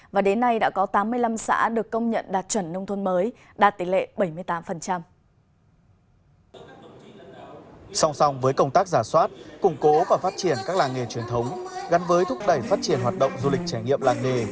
và đến nay đã có tám mươi năm xã được công nhận đạt chuẩn nông thôn mới đạt tỷ lệ bảy mươi tám